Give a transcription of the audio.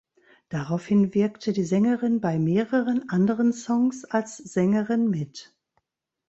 Daraufhin wirkte die Sängerin bei mehreren anderen Songs als Sängerin mit.